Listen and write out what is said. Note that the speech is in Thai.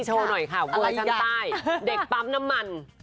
เต็มที่ค่ะ